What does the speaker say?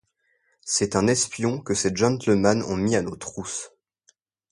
C’est un espion que ces gentlemen ont mis à nos trousses!